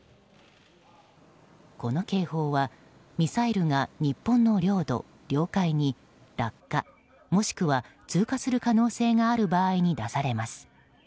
この警報はミサイルが日本の領土・領海に落下、もしくは通過する可能性がある場合に出されます。